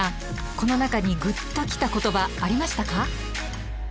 この中にグッときた言葉ありましたか？